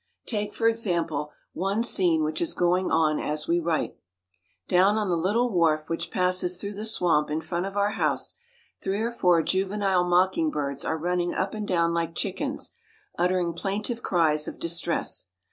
Take, for example, one scene which is going on as we write. Down on the little wharf which passes through the swamp in front of our house, three or four juvenile mocking birds are running up and down like chickens, uttering plaintive cries of distress.